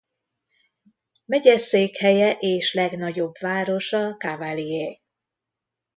Megyeszékhelye és legnagyobb városa Cavalier.